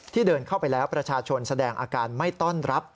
เดินเข้าไปแล้วประชาชนแสดงอาการไม่ต้อนรับ